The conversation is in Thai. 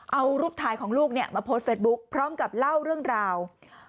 เอารูปถ่ายของลูกมาโพสต์เฟสบุ๊คพร้อมกับเล่าเรื่องราว